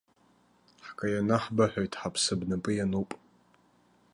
Ҳкаианы ҳбыҳәоит, ҳаԥсы бнапы иануп!